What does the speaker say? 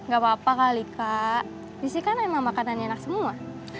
gapapa kali kak disini kan emang makanan enak semua